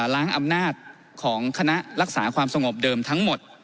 ล้างอำนาจของคณะรักษาความสงบเดิมทั้งหมด